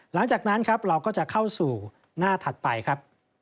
หลังจากนั้นครับเราก็จะเข้าสู่หน้าถัดไปครับ